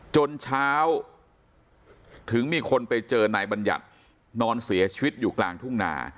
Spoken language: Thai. จนเช้าถึงมีคนไปเจอนายบัญญัตินอนเสียชีวิตอยู่กลางทุ่งนา